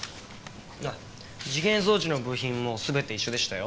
あっ時限装置の部品も全て一緒でしたよ。